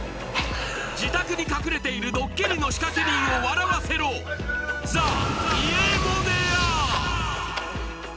自宅に隠れているドッキリの仕掛人を笑わせろあ！